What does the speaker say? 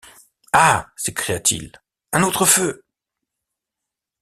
Ah! s’écria-t-il, un autre feu !